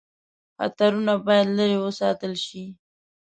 خطرونه باید لیري وساتل شي.